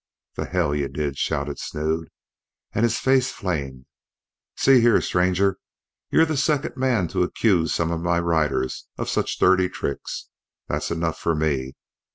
"The h l you did!" shouted Snood, and his face flamed. "See here, stranger, you're the second man to accuse some of my riders of such dirty tricks. That's enough for me.